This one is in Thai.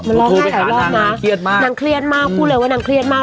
มันร้องไห้หลายรอบนะเครียดมากนางเครียดมากพูดเลยว่านางเครียดมาก